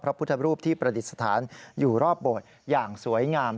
พระพุทธรูปที่ประดิษฐานอยู่รอบโบสถ์อย่างสวยงาม